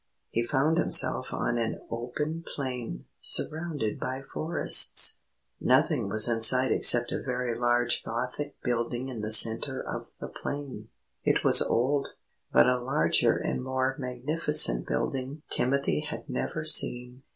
He found himself on an open plain, surrounded by forests. Nothing was in sight except a very large Gothic building in the centre of the plain. It was old, but a larger and more magnificent building Timothy had never seen.